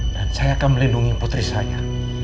dan saya akan melindungi putri saya